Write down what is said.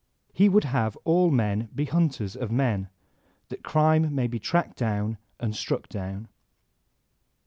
He would have all men be hunters of men, that crime may be tracked down and struck down.